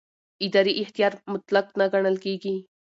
اداري اختیار مطلق نه ګڼل کېږي.